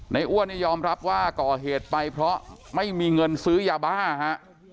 อ้วนเนี่ยยอมรับว่าก่อเหตุไปเพราะไม่มีเงินซื้อยาบ้าฮะ